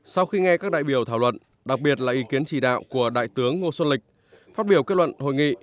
sau khi nghe các đại biểu thảo luận đặc biệt là ý kiến chỉ đạo của đại tướng ngô xuân lịch phát biểu kết luận hội nghị